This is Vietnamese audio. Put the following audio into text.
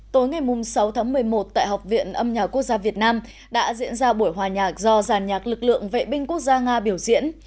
tối ngày sáu tháng một mươi một tại học viện âm nhạc quốc gia việt nam đã diễn ra buổi hòa nhạc do giàn nhạc lực lượng vệ binh quốc gia nga biểu diễn